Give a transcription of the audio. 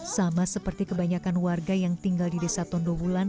sama seperti kebanyakan warga yang tinggal di desa tondowulan